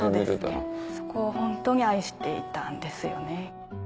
そこをホントに愛していたんですよね。